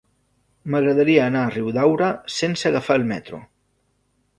M'agradaria anar a Riudaura sense agafar el metro.